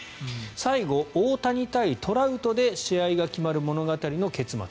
最後、大谷対トラウトで試合が決まる物語の結末。